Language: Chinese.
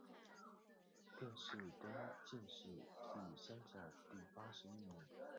殿试登进士第三甲第八十一名。